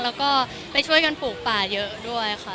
แล้วก็ไปช่วยกันปลูกป่าเยอะด้วยค่ะ